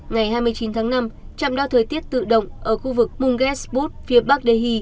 ngày hai mươi chín tháng năm trạm đao thời tiết tự động ở khu vực mungesput phía bắc đề